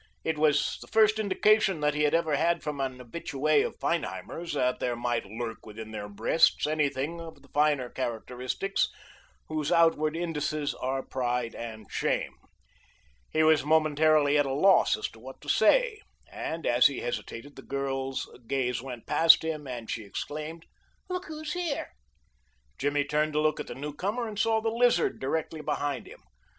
It was the first indication that he had ever had from an habitue of Feinheimer's that there might lurk within their breasts any of the finer characteristics whose outward indices are pride and shame. He was momentarily at a loss as to what to say, and as he hesitated the girl's gaze went past him and she exclaimed: "Look who's here!" Jimmy turned to look at the newcomer, and saw the Lizard directly behind him.